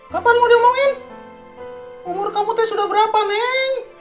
kapan mau diomongin umur kamu teh sudah berapa neng